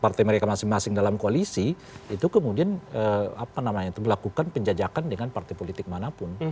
jadi kalau mereka masing masing dalam koalisi itu kemudian melakukan penjajakan dengan partai politik manapun